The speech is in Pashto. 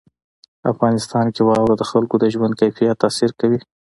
افغانستان کې واوره د خلکو د ژوند کیفیت تاثیر کوي.